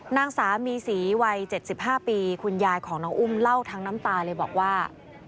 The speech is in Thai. นางสามีศรีวัย๗๕ปีคุณยายของน้องอุ้มเล่าทั้งน้ำตาเลยบอกว่า